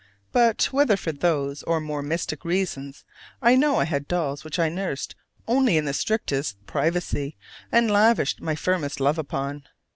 But, whether for those or more mystic reasons, I know I had dolls which I nursed only in the strictest privacy and lavished my firmest love upon.